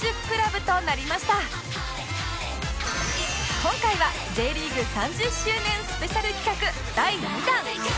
今回は Ｊ リーグ３０周年スペシャル企画第２弾